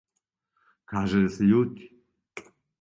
Каже да се љути.